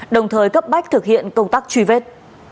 đồng thời cấp bách thực hiện công tác truy vết